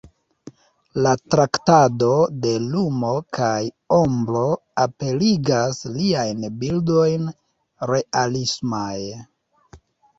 La traktado de lumo kaj ombro aperigas liajn bildojn realismaj.